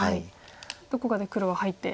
どこかで黒は入って。